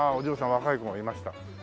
若い子がいました。